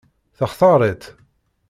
Textaṛ-itt?